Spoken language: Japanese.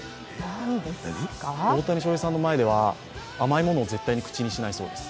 大谷翔平さんの前では甘いものを絶対に口にしないそうです。